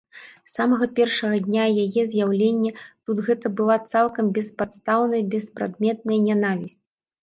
З самага першага дня яе з'яўлення тут гэта была цалкам беспадстаўная, беспрадметная нянавісць.